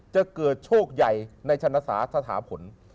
จะเกิดโชคใหญ่ในชนะสาสถาผล